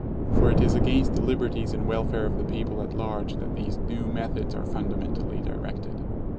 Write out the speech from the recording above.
For it is against the liberties and welfare of the people at large that these new methods are fundamentally directed.